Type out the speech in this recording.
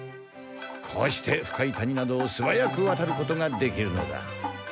こうして深い谷などをすばやくわたることができるのだ。